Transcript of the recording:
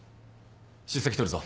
出席取るぞ。